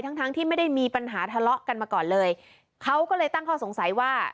ทั้งทั้งที่ไม่ได้มีปัญหาทะเลาะกันมาก่อนเลยเขาก็เลยตั้งข้อสงสัยว่า